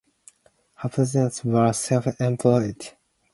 Her parents were self employed.